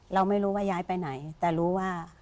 เราไม่รู้ว่าย้ายไปไหนแต่รู้ว่า